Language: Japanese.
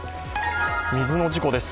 水の事故です。